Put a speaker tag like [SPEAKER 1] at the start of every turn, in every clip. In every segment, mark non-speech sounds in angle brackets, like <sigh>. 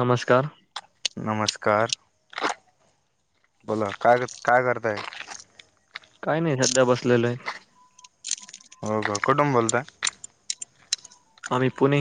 [SPEAKER 1] नमस्कार
[SPEAKER 2] नमस्कार बोला काय काय करताय
[SPEAKER 1] काही नाही सध्या बसलेलो आहे
[SPEAKER 2] हो का कुटुंन बोलतय
[SPEAKER 1] आम्ही पुणे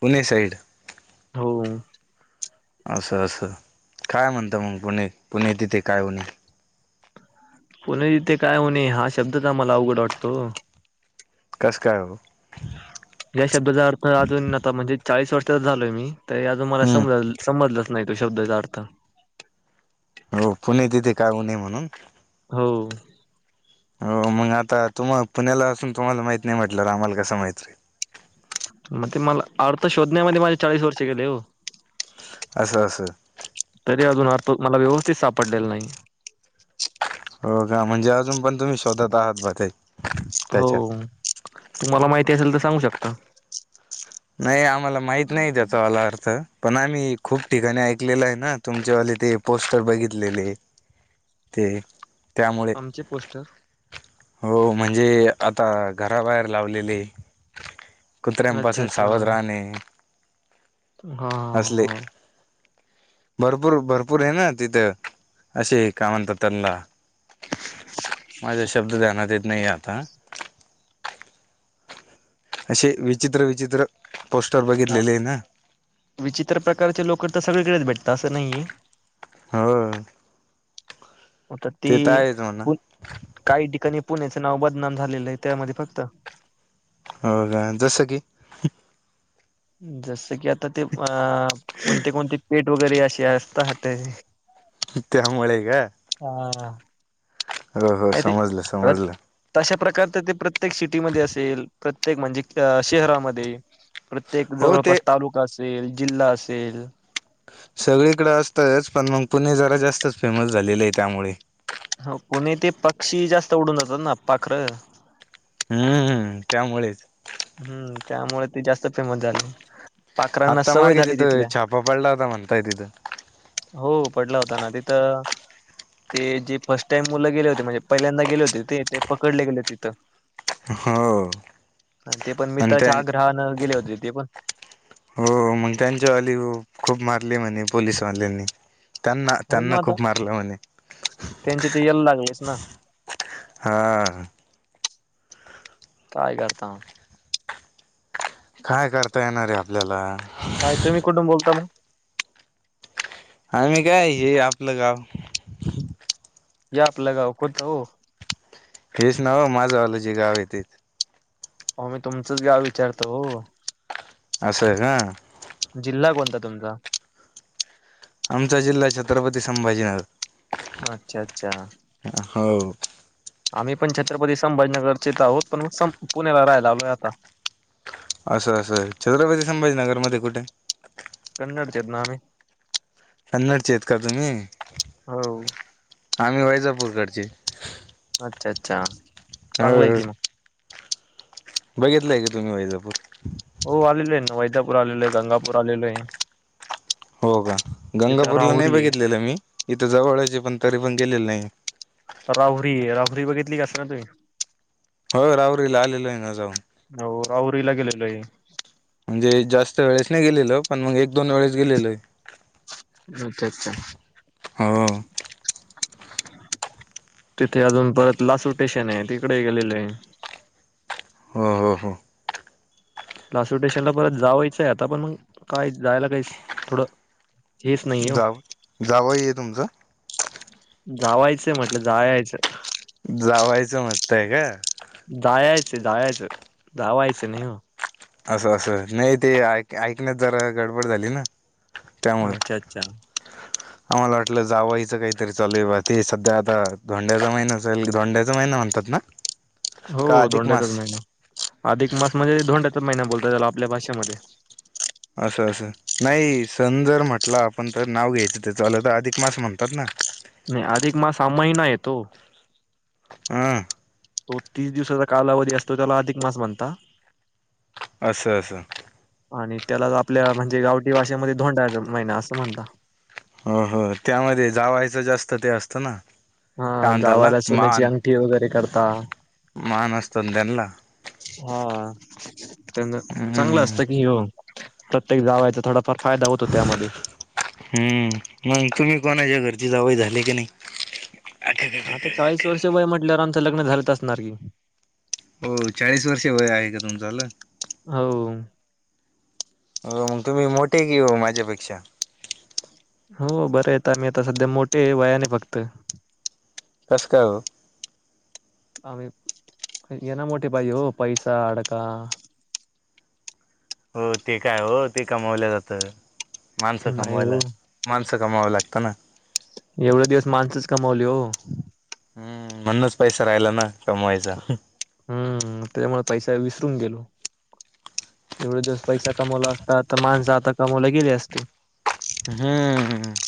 [SPEAKER 2] पुणे साईड
[SPEAKER 1] हो
[SPEAKER 2] असं असं काय म्हणत मग पुणे पुणे तिथे काय होणे
[SPEAKER 1] पुन तिथे काय होणे हा शब्दचम्हाला अवघड वाटतो
[SPEAKER 2] नमस्कार
[SPEAKER 1] या शब्दाचा अर्थ अजून आता म्हणजे चाळीस वर्षात झालोय मी तर अजून मला
[SPEAKER 2] हम्म
[SPEAKER 1] समज समजलंच नाही तो शब्द त्याच अर्थ <inaudible>
[SPEAKER 2] हो पुणे तिथे काय उणे म्हणून
[SPEAKER 1] हो...
[SPEAKER 2] हो मग आता तुम्हाला पुण्याला असून तुम्हाला माहीत नाही म्हटल्यावर आम्हाला कस माहीत होईल.
[SPEAKER 1] मग ते मला अर्थ शोधण्यामध्ये माझे चाळीस वर्ष गेले हो <inaudible>
[SPEAKER 2] अस-असं
[SPEAKER 1] तरी अजून अर्थ मला व्यवस्थित सापडलेला नाही <inaudible>
[SPEAKER 2] हो का? म्हणजे अजून पण तुम्ही शोधात आहात बरे
[SPEAKER 1] हो तुम्हाला माहिती असेल तर सांगू शकता.
[SPEAKER 2] नाही आम्हाला माहित नाही त्याचा वाला अर्थ पण आम्ही खूप ठिकाणी ऐकलेल आहे ना तुमच्यावाले ते पोस्टर बघितलेले ते त्यामुळे
[SPEAKER 1] आमचे पोस्टर <inaudible>
[SPEAKER 2] हो म्हणजे आता घराबाहेर लावलेले
[SPEAKER 1] अच्छा
[SPEAKER 2] कुत्र्यांपासून
[SPEAKER 1] अच्छा
[SPEAKER 2] सावध
[SPEAKER 1] हा
[SPEAKER 2] राहणे
[SPEAKER 1] हा
[SPEAKER 2] असले
[SPEAKER 1] -हा
[SPEAKER 2] भरपूर- भरपूर आहे ना तिथं असे काय म्हणतात त्यांना? माझा शब्द ध्यानात येत नाही आता <inaudible> असे विचित्र -विचित्र पोस्टर
[SPEAKER 1] हा,
[SPEAKER 2] बघितलेलेय ना
[SPEAKER 1] तो सगळीकडेच भेटत असं नाहीये
[SPEAKER 2] होय...
[SPEAKER 1] आता ती- काही ठिकाणी पुण्याचं नाव बदनाम झालेलं आहे त्यामध्ये फक्त
[SPEAKER 2] हो का जसं की, <inaudible>
[SPEAKER 1] जस की, आता ते अ कोणते- कोणते पेठ वगैरे अस स्ता हटे <unintelligible>
[SPEAKER 2] त्या मुळे का हो हो
[SPEAKER 1] हा
[SPEAKER 2] समजलं
[SPEAKER 1] ते-
[SPEAKER 2] समजलं
[SPEAKER 1] तशा प्रकारच ते प्रत्येक सिटीमध्ये असेल? प्रत्येक म्हणजे शहरामध्ये प्रत्येक
[SPEAKER 2] हो ते
[SPEAKER 1] जवळपास तालुका असेल जिल्हा असेल
[SPEAKER 2] सगळीकडं असतच पण मग पुणे जरा जास्तच फेमस झालेलं आहे त्यामुळे
[SPEAKER 1] हो पुणे ते पक्षी जास्त उडून जातात ना पाखर
[SPEAKER 2] हम्मम त्या मुळेच
[SPEAKER 1] हम्म त्यामुळे ते जास्त फेमस झालय.
[SPEAKER 2] आता मागे तिथे छापा पडलाता म्हंतय तिथं
[SPEAKER 1] हो पडला होता ना तिथं ते जे फर्स्ट टाइम मुले गेले होते म्हणजे पहिल्यांदा गेले होते ते पकडले गेले होते
[SPEAKER 2] हो
[SPEAKER 1] तिथं ते पण
[SPEAKER 2] आणि त्यां
[SPEAKER 1] मित्रच्या आग्रहानं गेले होते ते पण
[SPEAKER 2] हो मग त्यांच्यावाली -खूप मारली म्हणे पोलीस वाल्यांनी
[SPEAKER 1] हो मग आता त्यांचे तर यल.. लागलेच ना
[SPEAKER 2] हा
[SPEAKER 1] काय करता मग
[SPEAKER 2] काय करता येणार आहे आपल्याला
[SPEAKER 1] काय तुम्ही कुठून बोलता मग
[SPEAKER 2] आ मी काय हे आपलं गाव <inaudible>
[SPEAKER 1] या आपल गाव कोणते हो?
[SPEAKER 2] हेच नाव माझं वालं जे गाव आहे ते
[SPEAKER 1] हो मी तुमचंच गाव विचारतो हो
[SPEAKER 2] अस का
[SPEAKER 1] जिल्हा कोणता तुमचा
[SPEAKER 2] आमचा जिल्हा छत्रपती संभाजीनगर
[SPEAKER 1] अच्छा अच्छा
[SPEAKER 2] हो
[SPEAKER 1] आम्ही पण छत्रपती संभाजनगरचे तर आहोत पण म पुण्याला राहायला आलोय आता
[SPEAKER 2] असं असं छत्रपती संभाजीनगर मध्ये कुठे
[SPEAKER 1] च नाम
[SPEAKER 2] कन्नडचे आहेत का तुम्ही
[SPEAKER 1] हो
[SPEAKER 2] आम्ही वैजापूरकडची
[SPEAKER 1] अच्छा अच्छा चांगलं आहे कि मग
[SPEAKER 2] बघितलंय का तुम्ही वैजापूर
[SPEAKER 1] हो आलेल आहे ना वैजापूर आलेलो आहे गंगापूर आलेलो आहे
[SPEAKER 2] हो का
[SPEAKER 1] तिथं
[SPEAKER 2] गंगापूरला नाही
[SPEAKER 1] राहुरी आहे
[SPEAKER 2] बघितलेलं मी इथं जवळची पण तरी पण गेलेलं नाही
[SPEAKER 1] राहूरी राहू री बघितली कासं ना तुम्ही
[SPEAKER 2] हो राहुरीला आलेल आहे ना जाऊन
[SPEAKER 1] हो राहुरी ला गेलो आहे
[SPEAKER 2] म्हणजे जास्त वेळेस नाही गेलेल पण मग एक दोन वेळेस गेलेल आहे
[SPEAKER 1] अच्छा अच्छा
[SPEAKER 2] हो
[SPEAKER 1] तिथे अजून परत लासू स्टेशन आहे तिकडे गेलेले आहे
[SPEAKER 2] ह ह ह
[SPEAKER 1] लासूर स्टेशन ला परत जावायचंय आता पण मग काय जायला काही थोडं हेच नाही हो
[SPEAKER 2] जाव जावई आहे तुमचं
[SPEAKER 1] जावायचंय म्हटलं जायचं
[SPEAKER 2] जावायचं म्हटतय का
[SPEAKER 1] जाययचं जावायचं धावायचं नाही हो
[SPEAKER 2] असं असं नाही ते ऐकण्यात जरा गडबड झाली ना त्यामुळे
[SPEAKER 1] अच्छा अच्छा
[SPEAKER 2] आम्हाला वाटलं जावयचं काहीतरी चाल ते सध्या आता धोंड्याचा महिना धोंड्याचा महिना म्हणतात ना
[SPEAKER 1] हो
[SPEAKER 2] का अधिक
[SPEAKER 1] धोंड्याचाच
[SPEAKER 2] मास
[SPEAKER 1] महिना अधिक मास म्हणजे धोंड्याचाच महिना बोलता त्याला आपल्या भाषेमध्ये
[SPEAKER 2] असं असं नाही सण जर म्हटला आपण तर नाव घ्यायचं ते तर अधिक मास म्हणतात ना
[SPEAKER 1] नाही अधिकमास हा महिना येतो
[SPEAKER 2] हम
[SPEAKER 1] तो तीस दिवसाचा कालावधी असतो त्याला अधिक मास म्हनता
[SPEAKER 2] अस अस
[SPEAKER 1] आणि त्याला आपल्या म्हणजे गावटी भाशेमध्ये धोंडा महिना असं म्हणत
[SPEAKER 2] हो हो त्यामध्ये जावायचं जास्त ते असतं ना
[SPEAKER 1] हा
[SPEAKER 2] काय म्हणताला
[SPEAKER 1] गावाला सोन्याची
[SPEAKER 2] मान
[SPEAKER 1] अंगठी वगैरे करता
[SPEAKER 2] मान असतो ना त्यांना
[SPEAKER 1] हा त्यां चांगलं
[SPEAKER 2] हम्म
[SPEAKER 1] असतं की हो प्रत्येक जावायचा थोडा फार फायदा होतो त्यामध्ये
[SPEAKER 2] नाही तुम्ही कोणाच्या घरची जावकई झाले की नाही
[SPEAKER 1] आता चाळीस वर्ष वय म्हटल्यावर आमचं लग्न झालंच असणार की
[SPEAKER 2] हो चाळीस वर्ष वय आहे का तुमचाला
[SPEAKER 1] हो
[SPEAKER 2] मग तुम्ही मोठे कीऊ माझ्यापेक्षा
[SPEAKER 1] हो बरं आहेेत आम्ही आता सध्या मोठे वयाने फक्त
[SPEAKER 2] कसकाय ओ
[SPEAKER 1] हेना मोठ पाहिजे ओ पैसा अडका <inaudible>
[SPEAKER 2] हो ठीकय हो ते कमवल्या जातं. माणसं
[SPEAKER 1] नाही हो.
[SPEAKER 2] कमवायला, माणसं कमावावं लागतं ना.
[SPEAKER 1] कमावले ओ..
[SPEAKER 2] हम्म म्हणूनच पैसा राहिला ना कमवायचा
[SPEAKER 1] हम्म त्यामुळे पैसा विसरून गेलो <inaudible> एवढ जस पैसा कमवला असता आता माणसं आता कमवल्या गेली असते.
[SPEAKER 2] हम्म.. <inaudible>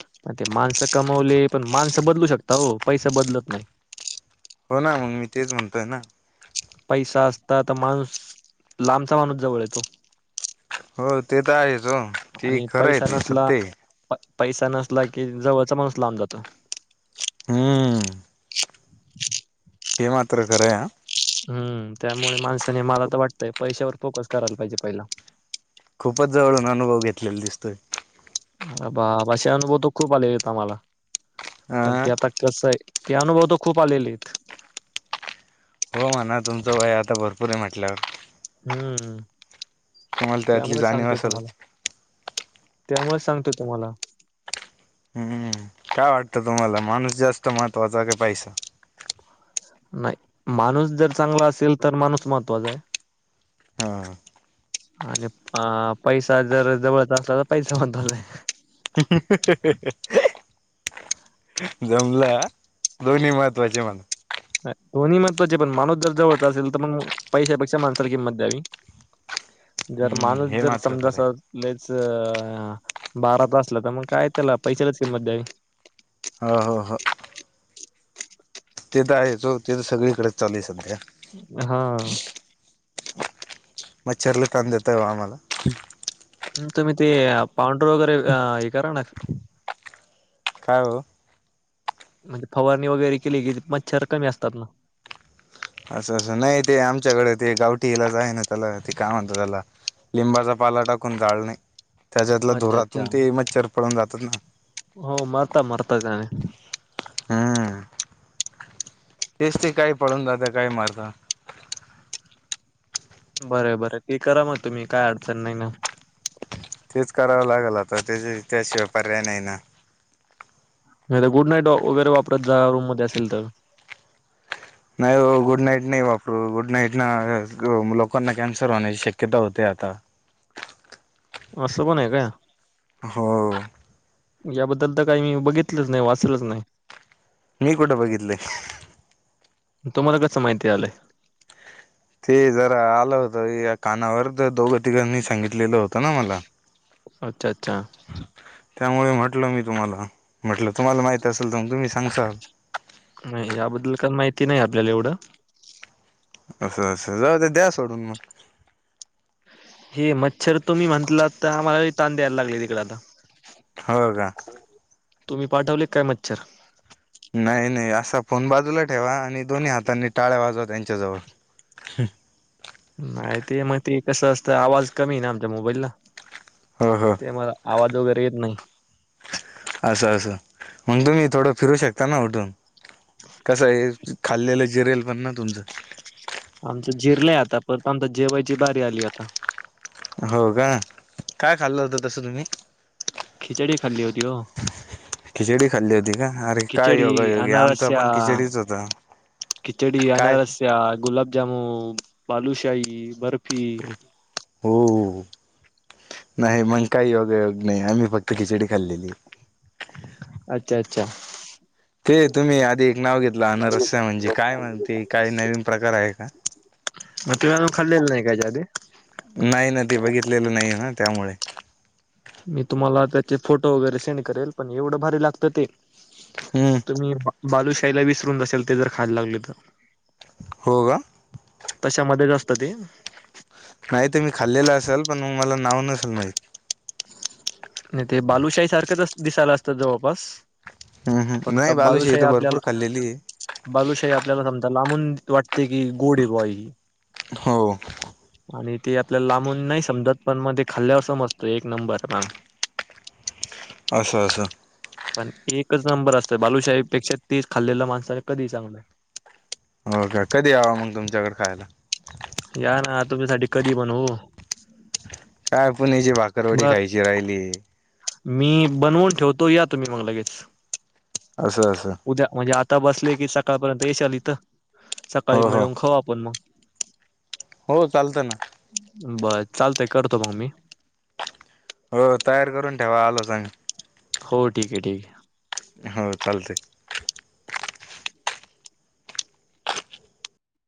[SPEAKER 1] <inaudible> ते माणसं कमवले पण माणस बदलू शकता हो पैसा बदलत नाही.
[SPEAKER 2] हो ना मग मी तेच म्हणतोय ना,
[SPEAKER 1] पैसा असता तर माणूस लांबचा माणुस जवळ येतो.
[SPEAKER 2] हो ते तर आहेच ओ
[SPEAKER 1] आणि
[SPEAKER 2] खरं <inaudible> आहे
[SPEAKER 1] पैसा
[SPEAKER 2] ते
[SPEAKER 1] नसला
[SPEAKER 2] सत्य.
[SPEAKER 1] प- पैसा नसला की जवळचा माणुस लांब जातो. <inaudible>
[SPEAKER 2] हम्म हे माञ खरंय!
[SPEAKER 1] हम्म <inaudible> त्यामुळे माणसाने मला तर वाटतंय पैशावर फोकस करायला पाहिजे पहिला.
[SPEAKER 2] खूपच जवळून अनुभव घेतलेला दिसतोय <inaudible>
[SPEAKER 1] बाबा! असे अनुभव तर खूप आलेलेेत आम्हाला
[SPEAKER 2] अ
[SPEAKER 1] पण ते आता कसय? ते अनुभव तर खूप आलेले आहेत
[SPEAKER 2] हो म्हणा तुमचं वय आता भरपूर आहे म्हटल्यावर
[SPEAKER 1] हम्म
[SPEAKER 2] तुम्हाला त्यातली
[SPEAKER 1] त्यामुळेच
[SPEAKER 2] जाणीव
[SPEAKER 1] सांगतोय तुम्हाला.
[SPEAKER 2] असेलच
[SPEAKER 1] <inaudible> त्यामुळे सांगतो तुम्हाला.
[SPEAKER 2] हम्म काय वाटतं तुम्हाला? माणूस जास्त महत्त्वाचा का पैसा?
[SPEAKER 1] नाही माणूस जर चांगला असेल तर माणूस महत्त्वाचा आहे.
[SPEAKER 2] हा
[SPEAKER 1] <inaudible> आणि अ पैसा जर जवळचा असला <inaudible> तर पैसा महत्त्वाचा आहे.
[SPEAKER 2] <inaudible> जमला दोन्ही महत्वाचे मला
[SPEAKER 1] दोन्ही महत्वाचे पण माणूस दरजवळचा असेल तर पण पैशापेक्षा माणसाला किंमत द्यावी. जर
[SPEAKER 2] हम्म
[SPEAKER 1] माणूस
[SPEAKER 2] हे
[SPEAKER 1] जर
[SPEAKER 2] मात्र
[SPEAKER 1] समजा
[SPEAKER 2] खरं
[SPEAKER 1] अस
[SPEAKER 2] आहे
[SPEAKER 1] लय जर बाराच असलं तर मग काय? त्याला पैशालाच किंमत द्यावी.
[SPEAKER 2] हो हो हो <inaudible> ते तर आहेच ओ ते तर सगळीकडेच चालू आहे. सध्या
[SPEAKER 1] <inaudible> हा..
[SPEAKER 2] मच्छरला कान देताय आम्हाला.
[SPEAKER 1] तुम्ही ते पांढरू वगैरे हे करा ना,
[SPEAKER 2] का ओ?
[SPEAKER 1] म्हणजे फवारणी वगैरे केली की मच्छर कमी असतात ना.
[SPEAKER 2] असं असं नाही ते आमच्याकडे ते गावठी इलाच आहे ना त्याला ते काय म्हणत त्याला लिंबाचा पाला टाकून जााळणे त्याच्यातला
[SPEAKER 1] अच्छा अच्छा
[SPEAKER 2] धुरातून ते मच्छर पळून जातात ना.
[SPEAKER 1] हो मरता मरता गणी <inaudible>
[SPEAKER 2] हम्म तेच ते काय पळून जात्या काय मारता.
[SPEAKER 1] <inaudible> बर बर ती करा मग तुम्ही काय अडचण नाही ना.
[SPEAKER 2] तेच करावं लागेल आता त्या त्याशिवाय पर्याय नाही ना.
[SPEAKER 1] नाही तर गुड नाईट वगैरे वापरत जा रूम मध्ये असेल तर,
[SPEAKER 2] नाही गुड नाईट नाही वापरू गुड नाईट ना लोकांना कॅन्सर होण्याची शक्यता होते. आता
[SPEAKER 1] असं पण आहे का?
[SPEAKER 2] हो.. <inaudible>
[SPEAKER 1] याबद्दल तर काही मी बघितलंच नाही, वाचलच नाही.
[SPEAKER 2] मी कुठं बघितलंय?
[SPEAKER 1] तुम्हाला कस माहिती? आलंय
[SPEAKER 2] ते जरा आलं होत या कानावर तर दोघं, तिघांनी सांगितलेलं होतं ना मला.
[SPEAKER 1] अच्छा अच्छा
[SPEAKER 2] त्यामुळे म्हटल मी तुम्हाला म्हटलं तुम्हाला माहित असेल तर मग तुम्ही सांसल
[SPEAKER 1] नाही याबद्दल काण माहिती नाही आपल्याला एवढं
[SPEAKER 2] असं असं जाऊ ते द्या सोडून मग
[SPEAKER 1] हे मच्छर तुम्ही म्हणटला तर आम्हाला ताण द्यायला लागले तिकडे आता
[SPEAKER 2] हो का
[SPEAKER 1] तुम्ही पाठवले काय मच्छर
[SPEAKER 2] नाही नाही असा फोन बाजूला ठेवा आणि दोन्ही हातांनी टाळ वाजवा त्यांच्या जवळ
[SPEAKER 1] माहतीय मग ते कसं असतं आवाज कमी ना आमच्या मोबाईलला
[SPEAKER 2] हो हो
[SPEAKER 1] ते मला आवाज वगैरे येत नाही
[SPEAKER 2] असं असं मग तुम्ही थोडं फिरू शकता ना उठून कस आहे खाल्लेलं जिरेल पण ना तुमचं
[SPEAKER 1] आमचं झिरलंय आता परत आमच्या जेवायची बारी आली आता
[SPEAKER 2] हो का काय खाल्लं होत तस तुम्ही
[SPEAKER 1] खिचडी खाल्ली होती हो
[SPEAKER 2] खिचडी खाल्ली होती का अरे काय
[SPEAKER 1] खिचडी
[SPEAKER 2] योगायोगी आमचा
[SPEAKER 1] अनारस्या
[SPEAKER 2] पण खिचडीच होता
[SPEAKER 1] खिचडी
[SPEAKER 2] काय
[SPEAKER 1] अनारस्या गुलाबजामून बलुशाही बर्फी
[SPEAKER 2] हो नाही मग काही योगयोग नाही आम्ही फक्त खिचडी खाल्लेली
[SPEAKER 1] अच्छा अच्छा
[SPEAKER 2] ते तुम्ही आधी एक नाव घेतलं अनरस्या म्हणजे काय म्हणते काही नवीन प्रकार आहे का
[SPEAKER 1] म तूम्ही अजून खाल न
[SPEAKER 2] नाही ना ते बघितलेलं नाही ना त्यामुळे
[SPEAKER 1] मी तुम्हाला त्याचे फोटो वगैरे सेंड करेल पण एवढं भारी लागतं ते
[SPEAKER 2] हम्म
[SPEAKER 1] तुम्ही बालूशाहीला विसरून अससेल ते जर खायला लागले तर
[SPEAKER 2] हो का?
[SPEAKER 1] तशामध्ये च असत ते
[SPEAKER 2] नाही तर मी खाल्लेलं असेल पण मग मला नाव नसेल माहीत
[SPEAKER 1] नाही ते बालूशाही सारखंच दिसायला असतं जवळपास
[SPEAKER 2] हम्म हम्म
[SPEAKER 1] फक्त
[SPEAKER 2] नाही
[SPEAKER 1] बालूशाही
[SPEAKER 2] तर भरपूर
[SPEAKER 1] आपल्याला
[SPEAKER 2] खाल्लेली आहे.
[SPEAKER 1] बालूशाही आपल्याला समजा लाबून वाटते की गोडे बय
[SPEAKER 2] हो
[SPEAKER 1] आणि ते आपल्याला लाबून नाही समजत पण मग ते खाल्ल्यावर समजतो एक नंबर प
[SPEAKER 2] असं असं
[SPEAKER 1] पण एकच नंबर असतोय बालूशाहीब पेक्षा तेीच खाल्लेल्या माणसाने कधी चांगलं
[SPEAKER 2] हो का कधी यावा मग तुमच्याकडे खायला
[SPEAKER 1] या ना तुमच्यासाठी कधी पण हो
[SPEAKER 2] काय आपण याची भाकरवाडी खायची राहिली
[SPEAKER 1] मी बनवून ठेवतो या तुम्ही मग लगेच
[SPEAKER 2] असं असं
[SPEAKER 1] उद्या म्हणजे आता बसले कि सकाळपर्यंत येश आली इथं सकाळी
[SPEAKER 2] हो हो
[SPEAKER 1] मिळून खाऊ आपण मग
[SPEAKER 2] हो चालतं ना
[SPEAKER 1] बर चालतय करतो मग मी
[SPEAKER 2] हो तयार करून ठेवा आलो सांग
[SPEAKER 1] हो ठीक आहे ठीक आहे
[SPEAKER 2] हो चालते